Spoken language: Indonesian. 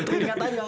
teringat aja om